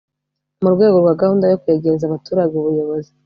mu rwego rwa gahunda yo kwegereza abaturage ubuyobozi,